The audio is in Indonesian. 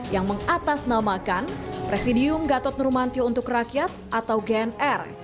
yang mengatasnamakan presidium gatot nurmantio untuk rakyat atau gnr